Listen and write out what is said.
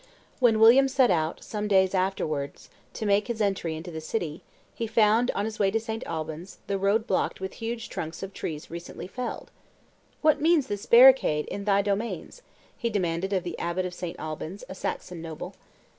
When William set out, some days afterwards, to make his entry into the city, he found, on his way to St. Alban's, the road blocked with huge trunks of trees recently felled. "What means this barricade in thy domains?" he demanded of the abbot of St. Alban's, a Saxon noble.